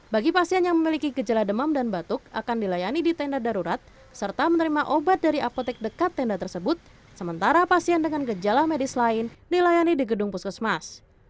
bagi pasien yang memiliki gejala demam dan batuk akan dilayani di tenda darurat serta menerima obat dari apotek dekat tenda tersebut sementara pasien dengan gejala medis lain dilayani di gedung puskesmas